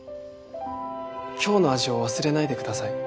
今日の味を忘れないでください。